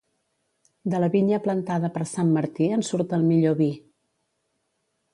De la vinya plantada per Sant Martí en surt el millor vi.